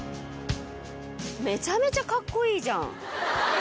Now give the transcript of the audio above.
めちゃめちゃカッコいいじゃん。